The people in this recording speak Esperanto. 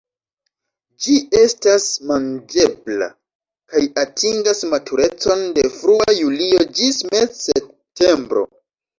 Ĝi estas manĝebla, kaj atingas maturecon de frua julio ĝis mez-septembro.